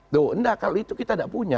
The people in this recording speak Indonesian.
tuh enggak kalau itu kita tidak punya